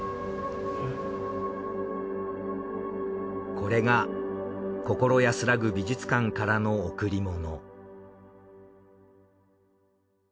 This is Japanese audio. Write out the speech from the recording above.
これが心安らぐ美術館からの贈り物。